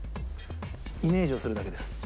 イメージをするだけです。